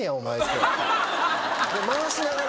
回しながら。